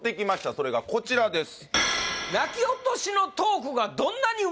それがこちらです